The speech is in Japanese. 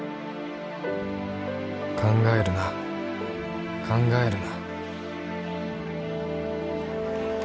考えるな考えるな